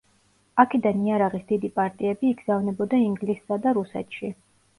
აქედან იარაღის დიდი პარტიები იგზავნებოდა ინგლისსა და რუსეთში.